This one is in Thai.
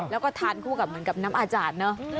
แล้วก็ทานคู่กับเหมือนกับน้ำอาจารย์เนอะ